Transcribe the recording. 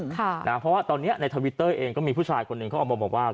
เพราะว่าตอนนี้ในทวิตเตอร์เองก็มีผู้ชายคนหนึ่งเขาออกมาบอกว่า